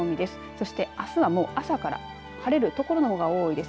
そしてあすは朝から晴れる所の方が多いです。